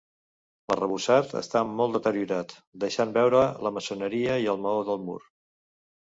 L'arrebossat està molt deteriorat, deixant veure la maçoneria i el maó del mur.